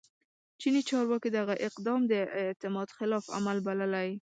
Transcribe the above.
چیني چارواکي دغه اقدام د اعتماد خلاف عمل بللی